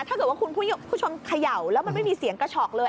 ถ้าเกิดว่าคุณผู้ชมเขย่าแล้วมันไม่มีเสียงกระฉอกเลย